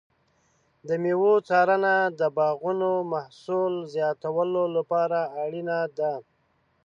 د مېوو څارنه د باغونو د محصول زیاتولو لپاره اړینه ده.